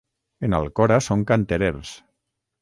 En Alcora són canterers.